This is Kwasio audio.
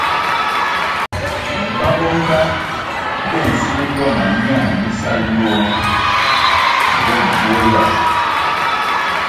Ba bo nga bo nsil bwama myana mi sal yoh ngwong duo yang.